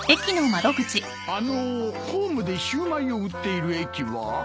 あのホームでシューマイを売っている駅は？